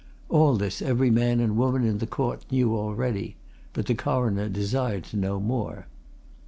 All this every man and woman in the court knew already but the Coroner desired to know more.